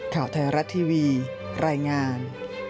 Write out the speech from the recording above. ข่าวไทยรัฐทีวีรายงาน